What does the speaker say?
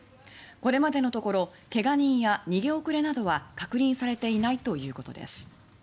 これまでのところ怪我人や逃げ遅れなどは確認されていないということです。